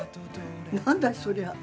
何だそりゃ。